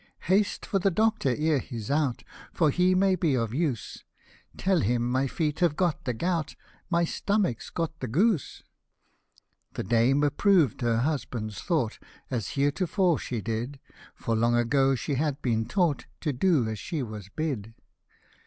Haste for the doctor, ere he's out, For he may be of use : Tell him my feet have got the gout, My stomach's got the goose." The dame approved her husband's thought, As heretofore she did ; For long ago she had been taught To do as she was bid.